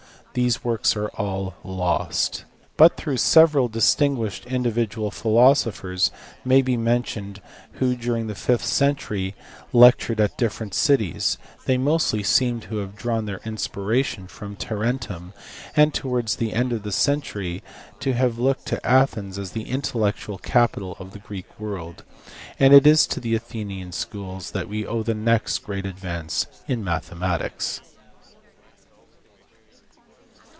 These works are all lost. But though several distinguished individual philosophers may be mentioned who during the fifth century lectured at different cities, they mostly seem to have drawn their inspi ration from Tarentum, and towards the end of the century to have looked to Athens as the intellectual capital of the Greek world : and it is to the Athenian schools that we owe the next great advance in mathematics.